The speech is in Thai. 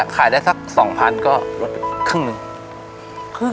ขายได้สัก๒๐๐๐ก็ลดครึ่งหนึ่ง